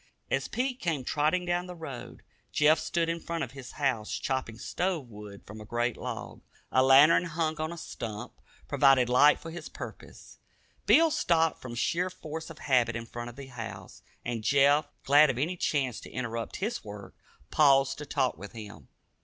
As Pete came trotting down the road, Jeff stood in front of his house chopping stove wood from a great log. A lantern, hung on a stump, provided light for his purpose. Pete stopped from sheer force of habit in front of the house, and Jeff, glad of any chance to interrupt his work, paused to talk with him.